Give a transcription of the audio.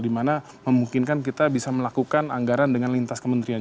dimana memungkinkan kita bisa melakukan anggaran dengan lintas kementerian